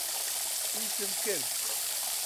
ئیشم کرد.